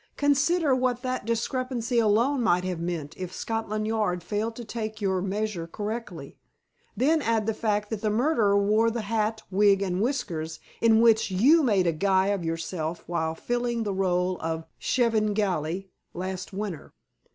Consider what that discrepancy alone might have meant if Scotland Yard failed to take your measure correctly. Then add the fact that the murderer wore the hat, wig, and whiskers in which you made a guy of yourself while filling the rôle of Svengali last winter.